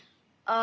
あ。